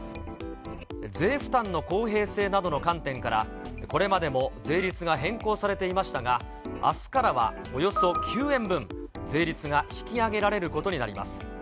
税負担の公平性などの観点から、これまでも税率が変更されていましたが、あすからはおよそ９円分、税率が引き上げられることになります。